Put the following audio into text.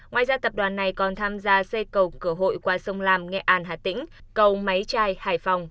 ngoài ra tập đoàn này còn tham gia xây cầu cửa hội qua sông lam nghệ an hà tĩnh cầu máy trai hải phòng